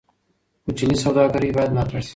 کوچني سوداګرۍ باید ملاتړ شي.